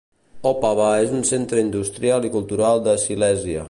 Opava és un centre industrial i cultural de Silèsia.